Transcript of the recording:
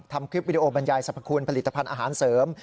ทำคลิปวิดีโอบรรยายสรรพคุณผลิตภัณฑ์อาหารเสริม